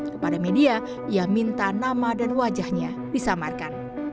kepada media ia minta nama dan wajahnya disamarkan